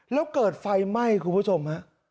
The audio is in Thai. แล้วเกิดไฟไหม้คุณผู้ชมฮะ